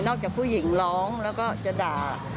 จากผู้หญิงร้องแล้วก็จะด่า